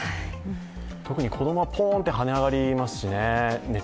特に子供はぽーんって熱が跳ね上がりますしね。